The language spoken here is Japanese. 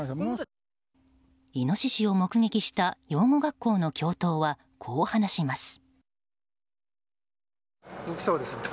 イノシシを目撃した養護学校の教頭はこう話します。